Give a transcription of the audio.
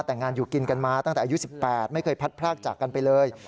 แต่งงานอยู่กินกันมาตั้งแต่อายุ๑๘ไม่เคยพัดพรากจากกันไปเลย